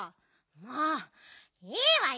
もういいわよ！